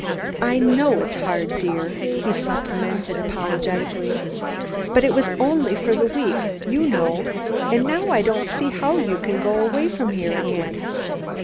I know it's hard, dear," he supplemented apologetically, "but it was only for the week, you know; and now I don't see how you can go away from here again."